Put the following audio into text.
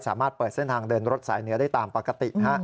สามารถเปิดเส้นทางเดินรถสายเหนือได้ตามปกติ